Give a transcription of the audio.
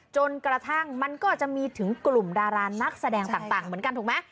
จนกระทั่งมันก็จะมีถึงกลุ่มดารานักแสดงต่างเหมือนกันถูกไหม